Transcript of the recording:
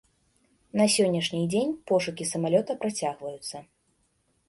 На сённяшні дзень пошукі самалёта працягваюцца.